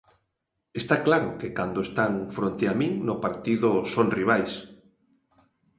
Está claro que cando están fronte a min no partido son rivais.